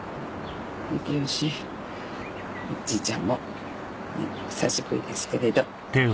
幸義おじいちゃんも久しぶりですけれど。